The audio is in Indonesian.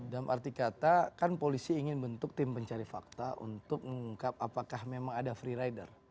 dan arti kata kan polisi ingin bentuk tim pencari fakta untuk mengungkap apakah memang ada free rider